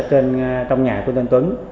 trong nhà của tân tuấn